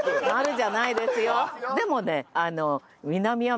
でもね。